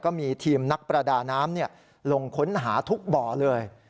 ก็มีทีมนักประดาน้ำลงค้นหาทุกบ่อเลย